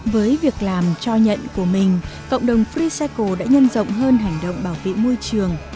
với việc làm cho nhận của mình cộng đồng freecycle đã nhân rộng hơn hành động bảo vệ môi trường